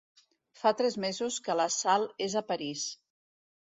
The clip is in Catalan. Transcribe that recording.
Fa tres mesos que la Sal és a París.